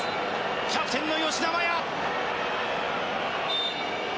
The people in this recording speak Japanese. キャプテンの吉田麻也。